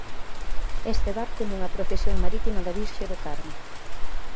Este barco nunha procesión marítima da 'Virxe do Carme'.